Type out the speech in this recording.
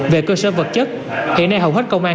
về cơ sở vật chất hiện nay hầu hết công an